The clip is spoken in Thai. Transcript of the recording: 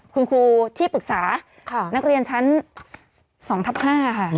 คุณครูที่ปรึกษานักเรียนชั้น๒ทับ๕ค่ะ